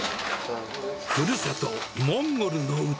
ふるさと、モンゴルの歌。